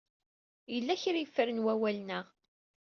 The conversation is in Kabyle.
Yella kra ay ffren wawalen-a.